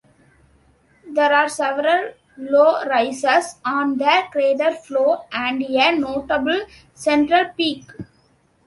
There are several low rises on the crater floor and a notable central peak.